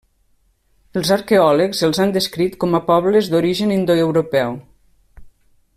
Els arqueòlegs els han descrit com a pobles d'origen indoeuropeu.